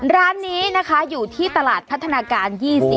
ร้านนี้นะคะอยู่ที่ตลาดพัฒนาการ๒๐